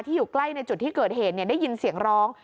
อยู่ใกล้ในจุดที่เกิดเหตุได้ยินเสียงร้อง